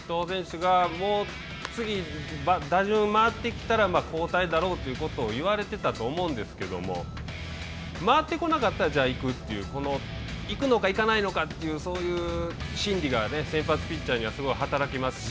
次、打順回ってきたら交代だろうということを言われてたと思うんですけど回ってこなかったら行くという行くのか行かないのかというそういう心理が先発ピッチャーにはすごい働きますし。